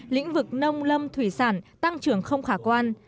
lĩnh vực nông lâm thủy sản tăng trưởng không khả quan